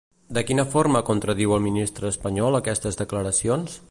De quina forma contradiu el ministre espanyol aquestes declaracions?